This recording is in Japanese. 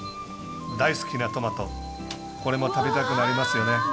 大好きなトマト、これも食べたくなりますよね。